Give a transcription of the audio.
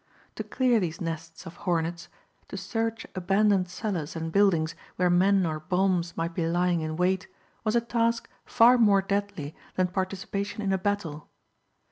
To clear these nests of hornets, to search abandoned cellars and buildings where men or bombs might be lying in wait was a task far more deadly than participation in a battle.